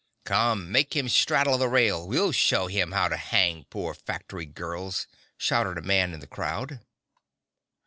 "Come, make him straddle the rail; well show him how to hang poor factory girls," shouted a man in the crowd.